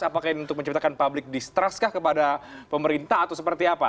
apakah ini untuk menciptakan public distrust kah kepada pemerintah atau seperti apa